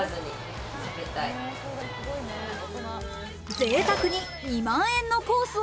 ぜいたくに２万円のコースを